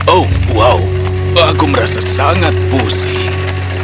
oh wow aku merasa sangat pusing